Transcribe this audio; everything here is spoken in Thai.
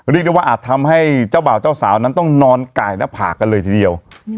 เรียกได้ว่าอาจทำให้เจ้าบ่าวเจ้าสาวนั้นต้องนอนไก่หน้าผากกันเลยทีเดียว